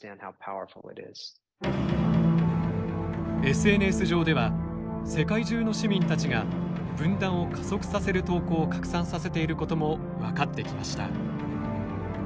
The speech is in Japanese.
ＳＮＳ上では世界中の市民たちが分断を加速させる投稿を拡散させていることも分かってきました。